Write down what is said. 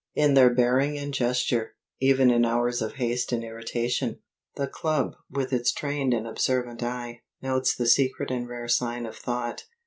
In their bearing and gesture, even in hours of haste and irritation, the Club (with its trained and observant eye) notes the secret and rare sign of Thought.